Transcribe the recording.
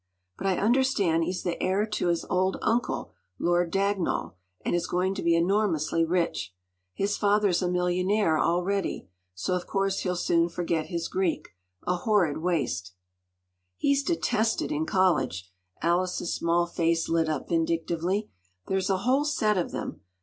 But I understand he’s the heir to his old uncle, Lord Dagnall, and is going to be enormously rich. His father’s a millionaire already. So of course he’ll soon forget his Greek. A horrid waste!” “He’s detested in college!” Alice’s small face lit up vindictively. “There’s a whole set of them.